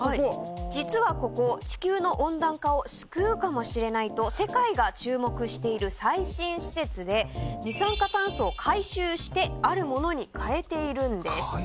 実はここ地球の温暖化を救うかもしれないと世界が注目している最新施設で二酸化炭素を回収してあるものにかえているんです。